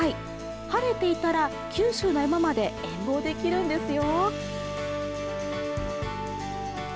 晴れていたら九州の山まで遠望できるんですよ